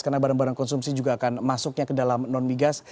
karena barang barang konsumsi juga akan masuknya ke dalam non migas